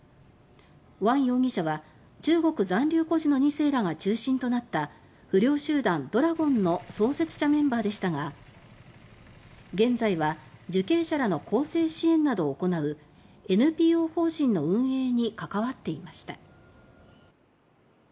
ワン容疑者は中国残留孤児の２世らが中心となった不良集団「怒羅権」の創設メンバーでしたが現在は受刑者らの更生支援などを行うＮＰＯ法人の運営に関わっていました。